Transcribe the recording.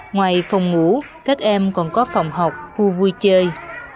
ngoài phòng ngủ các em còn có phòng học khu vui chơi